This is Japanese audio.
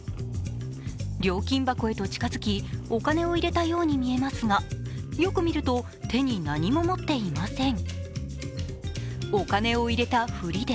料金箱へと近づきお金を入れたように見えますがよく見ると手に何も持っていません。